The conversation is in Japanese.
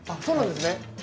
そうなんですね。